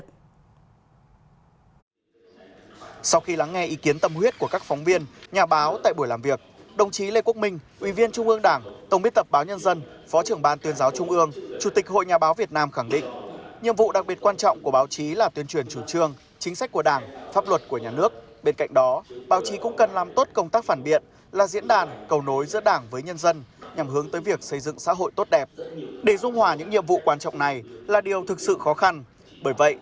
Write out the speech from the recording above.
chiều nay tại thành phố đà lạt lãnh đạo tỉnh lâm đồng đã có buổi làm việc với lãnh đạo các cơ quan báo chí trung ương và địa phương đồng chí lê quốc minh ủy viên trung ương đảng tổng biên tập báo nhân dân phó trưởng ban tuyên giáo trung ương chủ tịch hội nhà báo việt nam đồng chí nguyễn thái học quyền bí thư tỉnh ủy lâm đồng đồng chí nguyễn thái học quyền bí thư tỉnh ủy lâm đồng đồng chí lê quốc minh ủy viên trung ương đảng tổng biên tập báo nhân dân phó trưởng ban tuyên giáo trung ương